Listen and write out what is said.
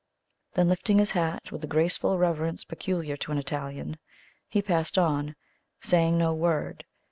Then lifting his hat with the graceful reverence peculiar to an Italian, he passed on, saying no word.